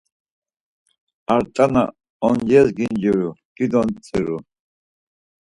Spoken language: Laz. Ar tzana oncires ginciru, dido ntziru.